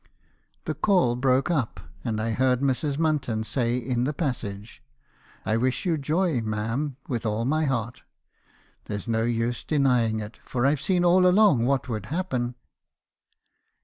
"The call broke up; and I heard Mrs. Munton say in the passage ,' I wish you joy, ma'am, with all my heart. There 's no use denying it; for I've seen all along what would happen.'